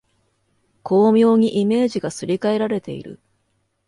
巧妙にイメージがすり替えられている